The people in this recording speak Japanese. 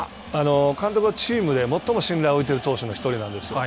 監督がチームでもっとも信頼を置いている選手の１人なんですよ。